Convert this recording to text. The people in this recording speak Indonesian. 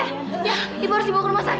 ya ibu harus dibawa ke rumah sakit